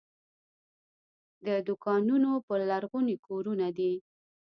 د دوکانونو پر لرغوني کورونه دي.